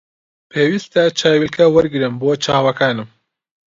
پێویستە چاویلکە وەرگرم بۆ چاوەکانم